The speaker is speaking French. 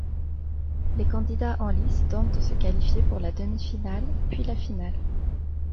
Les candidats en lice tentent de se qualifier pour la demi-finale, puis la finale.